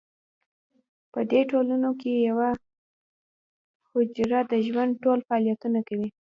په دې ټولنو کې یوه حجره د ژوند ټول فعالیتونه کوي.